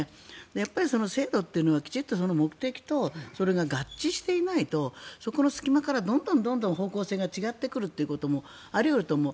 やっぱり制度というのは目的と合致していないとそこの隙間からどんどん方向性が違ってくるということもあり得ると思う。